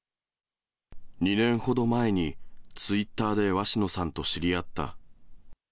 ２年ほど前にツイッターで鷲野さんと知り合った。